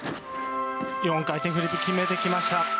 ４回転フリップ、決めてきま